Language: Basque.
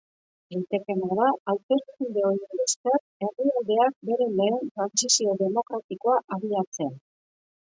Litekeena da, hauteskunde horiei esker, herrialdeak bere lehen trantsizio demokratikoa abiatzea.